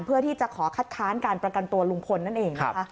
เพื่อที่จะขอคัดค้านการประกันตัวลุงพลนั่นเองนะคะ